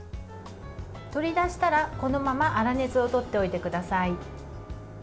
取り出したらこのまま粗熱をとってください。